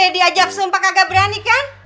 di ajak sumpah kagak berani kan